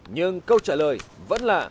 nhưng câu trả lời vẫn là